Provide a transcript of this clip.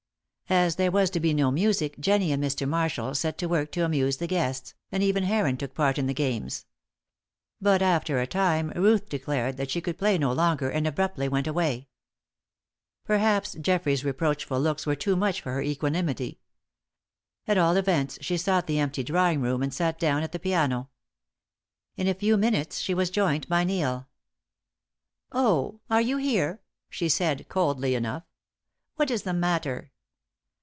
As there was to be no music, Jennie and Mr. Marshall set to work to amuse the guests, and even Heron took part in the games. But after a time Ruth declared that she could play no longer and abruptly went away. Perhaps Geoffrey's reproachful looks were too much for her equanimity. At all events she sought the empty drawing room and sat down at the piano. In a few minutes she was joined by Neil. "Oh! are you here?" she said, coldly enough. "What is the matter?"